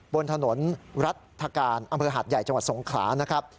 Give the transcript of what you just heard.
บนถนนรัฐกาลอำเภอหาดใหญ่จังหวัดสงขลานะครับ